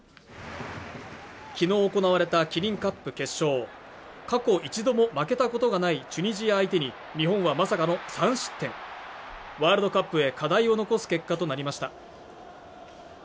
昨日行われたキリンカップ決勝過去１度も負けたことがないチュニジア相手に日本はまさかの３失点ワールドカップへ課題を残す結果となりました